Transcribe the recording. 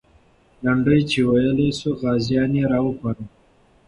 لنډۍ چې ویلې سوې، غازیان یې راوپارول.